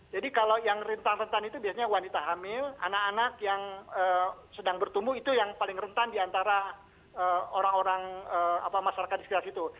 jadi kalau yang rentan rentan itu biasanya wanita hamil anak anak yang sedang bertumbuh itu yang paling rentan diantara orang orang masyarakat di sekitar situ